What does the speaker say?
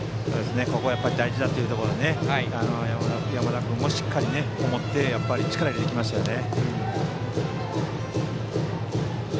ここは大事だというところで山田君もしっかり思って力を入れてきましたよね。